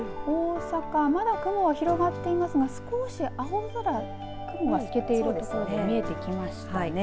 まだ雲は広がっていますが少し青空、雲が透けている所が見えてきましたね。